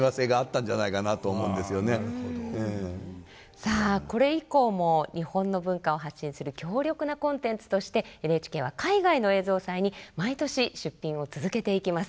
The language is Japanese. さあこれ以降も日本の文化を発信する強力なコンテンツとしてＮＨＫは海外の映像祭に毎年出品を続けていきます。